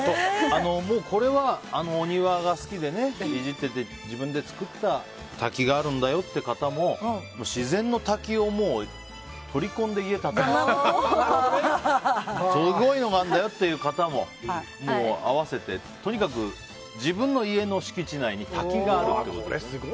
もう、これはお庭が好きで、いじってて自分で作った滝があるんだよって方も自然の滝を取り込んで家立てたとかすごいのがあるんだよっていう方も合わせてとにかく自分の家の敷地内に滝があるっていうことで。